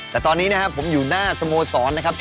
แต่ตอนนี้นะครับผมอยู่หน้าสโมสรนะครับ